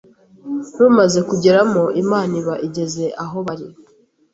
Rumaze kugeramo Imana iba igeze aho bari